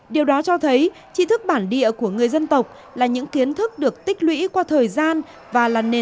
điều đó cho thấy trí thức bản địa của người dân tộc là những kiến thức được tích lũy qua thời gian